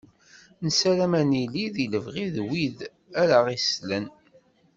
Nessaram ad nili di lebɣi n wid ara aɣ-yeslen.